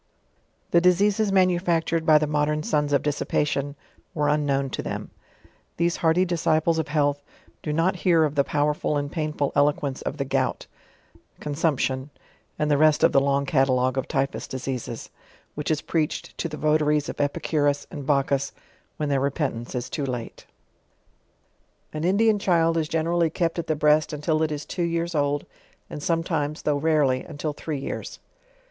The diseases manufactured by the modern sons of dissipa tion, were unknown by them. These hardy disciples of health, do not hear of the powerful and painful eloquence of the Gout, Consumption, and the rsst of the long catalogue of 54 JOURNAL OF Typhut diseases, which is preached to the votaries of Epi curus and liacchus, when their repentence ia too late. An Indian child is generally kept at the breast until it is two years old, and sometimes, though rarely, until three years.